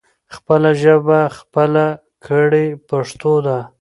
خپله ژبه خپله کړې پښتو ده.